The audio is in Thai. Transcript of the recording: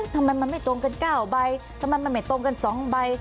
ทำไมมันไม่ตรงกัน๙ใบทำไมมันไม่ตรงกัน๒ใบ